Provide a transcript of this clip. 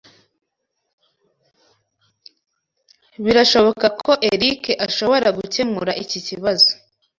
Birashoboka ko Eric ashobora gukemura iki kibazo.